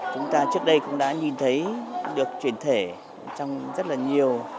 chúng ta trước đây cũng đã nhìn thấy được truyền thể trong rất là nhiều